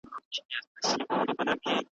دی به تر هغو نه ویده کېږي چې غږ یې نه وي اورېدلی.